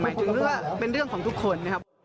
หมายถึงว่าเป็นเรื่องของทุกคน